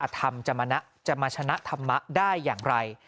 ธรรมจะมาชนะธรรมะได้อย่างไร